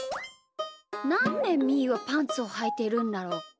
なんでみーはパンツをはいてるんだろう。